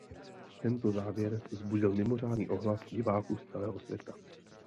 Tento závěr vzbudil mimořádný ohlas diváků z celého světa.